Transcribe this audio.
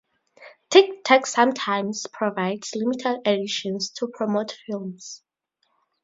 Tic Tac sometimes provides limited editions to promote films.